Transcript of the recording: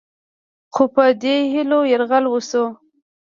خو په دې هیلو یرغل وشو